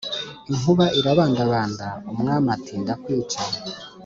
inkuba irabandabanda, umwami ati ndakwica